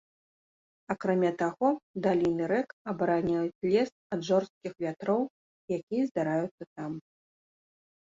Акрамя таго, даліны рэк абараняюць лес ад жорсткіх вятроў, якія здараюцца там.